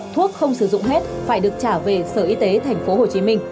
thuốc không sử dụng hết phải được trả về sở y tế tp hcm